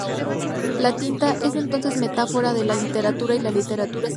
La tinta es entonces metáfora de la literatura y la literatura es creación pura.